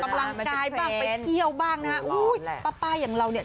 ไปออกกำลังกายบ้างไปเที่ยวบ้างนะแล้วอูห์ปั๊ปป้าอย่างเราเนี่ย